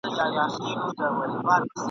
په هر موج کې سيلابونه !.